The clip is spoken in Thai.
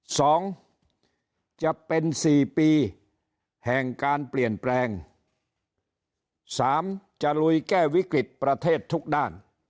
สองจะเป็นสี่ปีแห่งการเปลี่ยนแปลงสามจะลุยแก้วิกฤติประเทศทุกด้าน